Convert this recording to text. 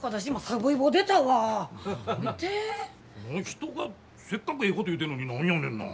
人がせっかくええこと言うてんのに何やねんな。